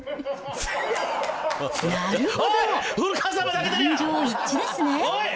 なるほど、満場一致ですね。